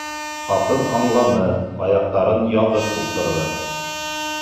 Ҡатын аңланы, аяҡтарын яҙып ултырҙы.